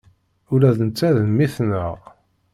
Ula d netta d mmi-tneɣ.